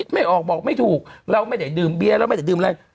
ไม่ออกบอกไม่ถูกเราไม่ได้ดื่มเบียร์เราไม่ได้ดื่มอะไร